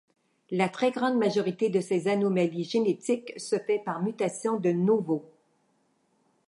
La très grande majorité de ces anomalies génétiques se fait par mutation de novo.